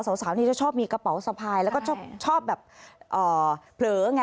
สาวนี้จะชอบมีกระเป๋าสะพายแล้วก็ชอบแบบเผลอไง